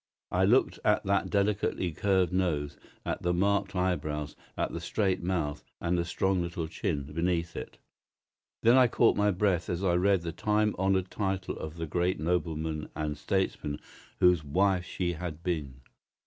I looked at that delicately curved nose, at the marked eyebrows, at the straight mouth, and the strong little chin beneath it. Then I caught my breath as I read the time honoured title of the great nobleman and statesman whose wife she had been.